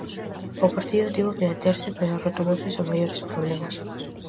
O partido tivo que deterse pero retomouse sen maiores problemas.